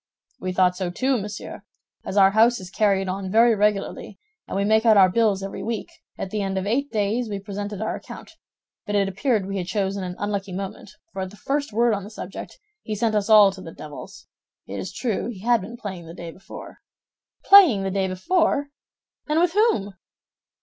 "We thought so, too, monsieur. As our house is carried on very regularly, and we make out our bills every week, at the end of eight days we presented our account; but it appeared we had chosen an unlucky moment, for at the first word on the subject, he sent us to all the devils. It is true he had been playing the day before." "Playing the day before! And with whom?"